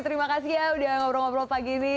terima kasih ya udah ngobrol ngobrol pagi ini